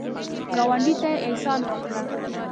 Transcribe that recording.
ګاونډي ته احسان وکړه